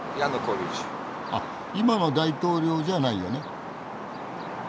あっ今の大統領じゃないよね？